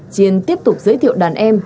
chiên tiếp tục giới thiệu đàn em